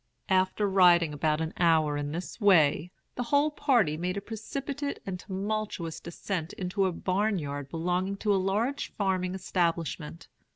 "After riding about an hour in this way, the whole party made a precipitate and tumultuous descent into a barn yard belonging to a large farming establishment.